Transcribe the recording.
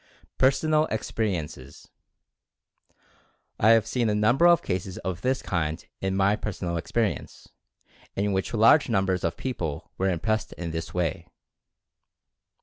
PERSONAL EXPERIENCES. I have seen a number of cases of this kind in my personal experience, in which large numbers of peo ple were impressed in this way.